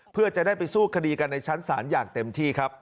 เพื่อจะได้ไปสู้คดีกันในชั้นศาลอย่างเต็มที่ครับ